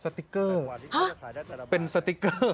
สติ๊กเกอร์เป็นสติ๊กเกอร์